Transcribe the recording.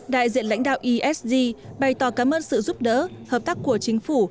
đại diện lãnh đạo esg bày tỏ cảm ơn sự giúp đỡ hợp tác của chính phủ